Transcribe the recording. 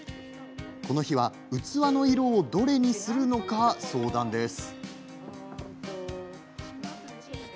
この日は器の色をどれにするのか相談です。